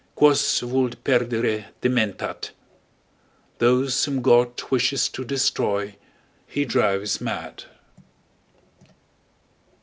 Quos vult perdere dementat. Those whom (God) wishes to destroy he drives mad.